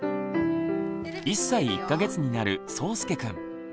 １歳１か月になるそうすけくん。